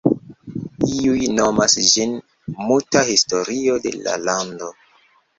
Iuj nomas ĝin: ""Muta historio de la lando"".